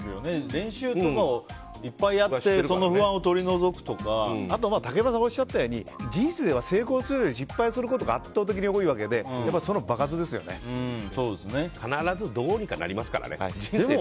練習とかをいっぱいやってあと、竹山さんがおっしゃったように人生は成功することより失敗することのほうが圧倒的に多いわけで必ずどうにかなりますから。